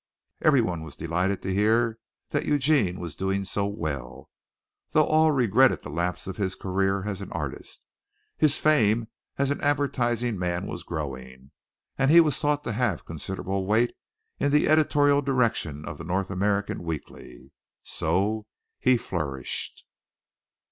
Everyone was delighted to hear that Eugene was doing so well, though all regretted the lapse of his career as an artist. His fame as an advertising man was growing, and he was thought to have considerable weight in the editorial direction of the North American Weekly. So he flourished.